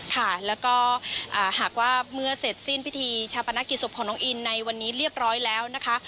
ค่ะแล้วก็หากว่าเมื่อเสร็จสิ้นพิธีชาปนกิจศพของน้องอินในวันนี้เรียบร้อยแล้วนะคะ